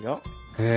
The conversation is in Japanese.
へえ。